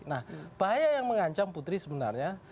nah bahaya yang mengancam putri sebenarnya